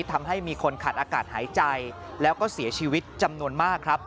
ทำให้มีคนขาดอากาศหายใจแล้วก็เสียชีวิตจำนวนมากครับ